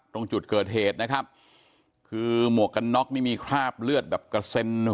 ตรงจุดเกิดเหตุนะครับคือหมวกกันน็อกนี่มีคราบเลือดแบบกระเซ็น